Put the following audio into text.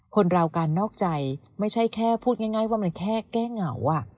คนเราการนอกใจไม่ใช่แค่พูดง่ายว่ามันแค่แก้เหงา